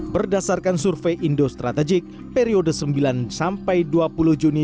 berdasarkan survei indo strategik periode sembilan sampai dua puluh juni dua ribu dua puluh